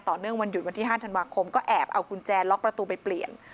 เนื่องวันหยุดวันที่๕ธันวาคมก็แอบเอากุญแจล็อกประตูไปเปลี่ยน